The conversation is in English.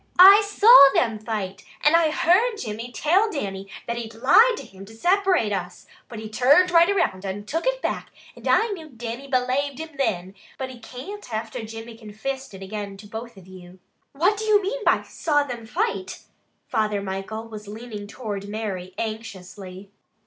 "I saw them fight, and I heard Jimmy till Dannie that he'd lied to him to separate us, but he turned right around and took it back and I knew Dannie belaved him thin; but he can't after Jimmy confissed it again to both of you." "What do you mean by 'saw them fight?'" Father Michael was leaning toward Mary anxiously.